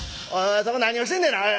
そこ何をしてんねんな。